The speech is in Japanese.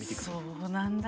そうなんだ。